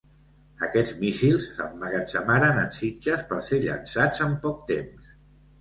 Aquests míssils s'emmagatzemaren en sitges per ser llançats en poc temps.